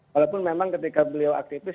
walaupun memang ketika beliau aktivis